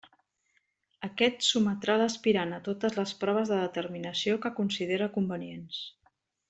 Aquest sotmetrà l'aspirant a totes les proves de determinació que considere convenients.